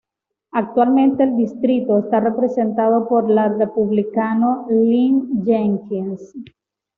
Actualmente el distrito está representado por la Republicano Lynn Jenkins.